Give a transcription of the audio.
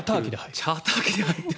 チャーター機で入る。